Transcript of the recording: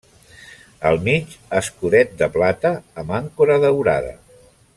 Al mig, escudet de plata amb àncora daurada.